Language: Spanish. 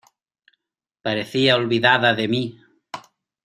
parecía olvidada de mí.